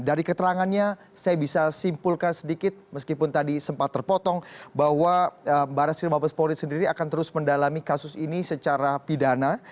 dari keterangannya saya bisa simpulkan sedikit meskipun tadi sempat terpotong bahwa barat sri mabes polri sendiri akan terus mendalami kasus ini secara pidana